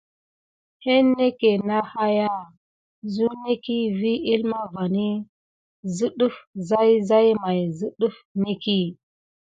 Hine ké na haya zuneki vi əlma vani zə ɗəf zayzay may zə ɗəf nekiy.